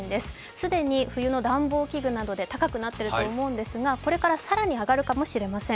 既に冬の暖房器具などで高くなっていると思うんですがこれから更に上がるかもしれません。